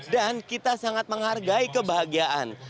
dan kita sangat menghargai kebahagiaan